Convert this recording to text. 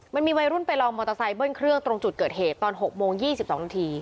มันมีวัยรุ่นไปลองมอเตอร์ไซค์เบิ้ลเครื่องตรงจุดเกิดเหตุตอน๖โมง๒๒นาที